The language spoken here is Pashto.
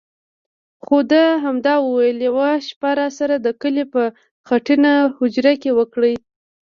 خو ده همدا ویل: یوه شپه راسره د کلي په خټینه هوجره کې وکړئ.